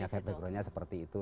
ya ada banyak yang seperti itu